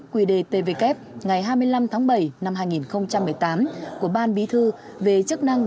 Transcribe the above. quy đề tvk ngày hai mươi năm tháng bảy năm hai nghìn một mươi tám của ban bí thư về chức năng